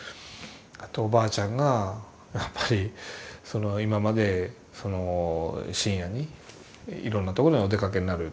あとおばあちゃんがやっぱりその今までその深夜にいろんなところにお出かけになる。